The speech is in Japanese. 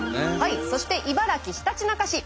そして茨城ひたちなか市。